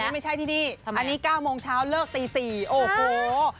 ไม่ใช่ที่นี่อันนี้๙โมงเช้าเลิกตี๔โอ้โห